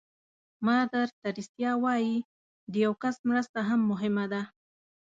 مادر تریسیا وایي د یو کس مرسته هم مهمه ده.